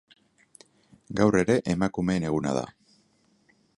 Gaur ere emakumeen eguna da.